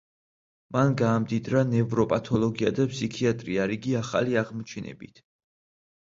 მან გაამდიდრა ნევროპათოლოგია და ფსიქიატრია რიგი ახალი აღმოჩენებით.